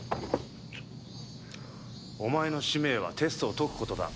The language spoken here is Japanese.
お前の使命はテストを解く事だ。